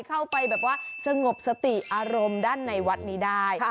เข้าไปแบบว่าสงบสติอารมณ์ด้านในวัดนี้ได้